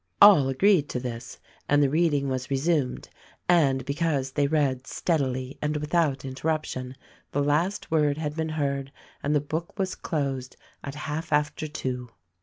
All agreed to this and the reading was resumed ; and be cause they read steadily and without interruption the last word had been heard and the book was closed at half after two.